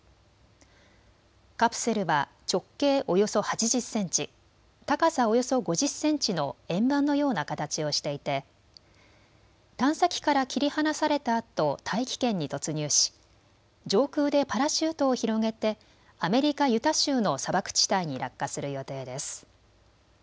カプセルは直径およそ８０センチ、高さおよそ５０センチの円盤のような形をしていて探査機から切り離されたあと大気圏に突入し上空でパラシュートを広げてアメリカ・ユタ州の砂漠地帯に落下する予定です。